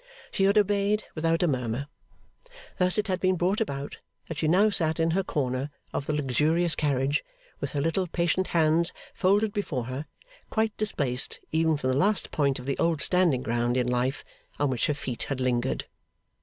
She had obeyed without a murmur. Thus it had been brought about that she now sat in her corner of the luxurious carriage with her little patient hands folded before her, quite displaced even from the last point of the old standing ground in life on which her feet had lingered.